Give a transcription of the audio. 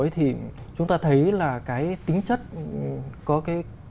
thì chúng ta thấy là cái tính chất có cái